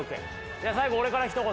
じゃあ最後俺からひと言。